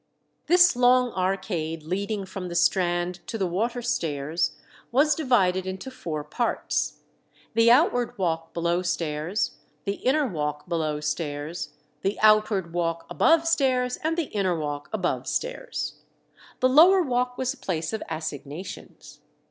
This long arcade, leading from the Strand to the water stairs, was divided into four parts the outward walk below stairs, the inner walk below stairs, the outward walk above stairs, and the inner walk above stairs. The lower walk was a place of assignations.